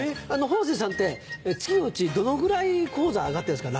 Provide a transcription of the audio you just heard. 方正さんって月のうちどのぐらい高座上がってるんですか？